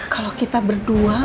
kalau kita berdua